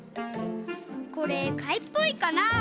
これかいっぽいかな。